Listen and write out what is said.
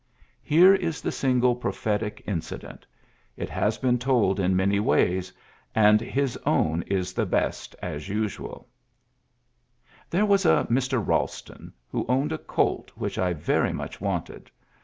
Here is the single prophetic incident. It has been told in many ways ; and his own is the best, as usual :— "There was a Mr. Ealston ... who owned a colt which I very much wanted.